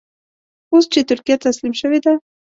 اوس چې ترکیه تسلیم شوې ده.